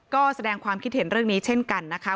ก็แสดงความคิดเห็นเรื่องนี้เช่นกันนะคะ